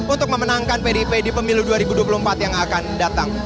untuk memenangkan pdip di pemilu dua ribu dua puluh empat yang akan datang